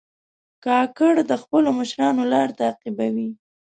کاکړ د خپلو مشرانو لار تعقیبوي.